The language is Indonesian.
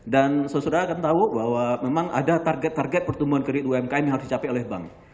saudara saudara akan tahu bahwa memang ada target target pertumbuhan kredit umkm yang harus dicapai oleh bank